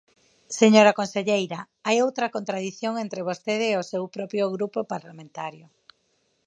Señora conselleira, hai outra contradición entre vostede e o seu propio grupo parlamentario.